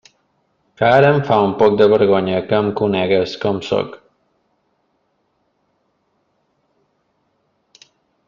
Que ara em fa un poc de vergonya que em conegues com sóc.